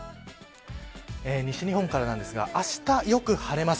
西日本からなんですがあした、よく晴れます。